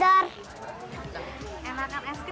tidak apare mainan oxirat terstengker